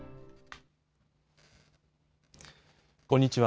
こんにちは。